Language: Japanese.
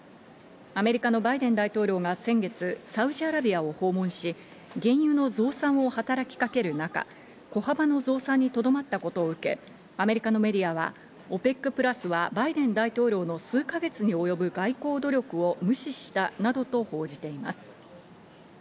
アメリカのバイデン大統領が先月サウジアラビアを訪問し、原油の増産を働きかける中、小幅の増産にとどまったことを受け、アメリカのメディアはＯＰＥＣプラスはバイデン大統領の数か月に及ぶ外交努力を無視したなどと報じています。